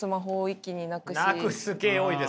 なくす系多いですね。